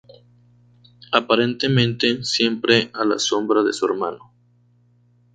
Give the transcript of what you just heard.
Aparentemente siempre a la sombra de su hermano.